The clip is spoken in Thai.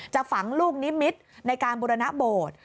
ฝังลูกนิมิตรในการบุรณโบสถ์